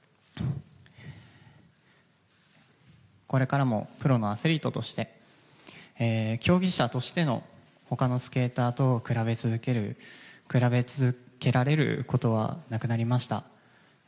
これからもプロのアスリートとして競技者としての他のスケーターと比べ続けられることはなくなりました。